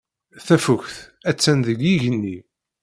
Tafukt attan deg yigenni.